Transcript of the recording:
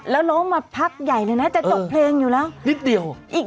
แล้วน้องมาพักใหญ่จากจบเพลงอยู่แล้ว